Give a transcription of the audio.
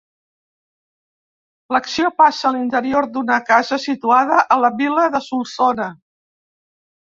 L'acció passa a l'interior d'una casa situada a la vila de Solsona.